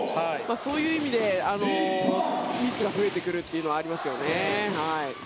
そういう意味でミスが増えてくるというのがありますよね。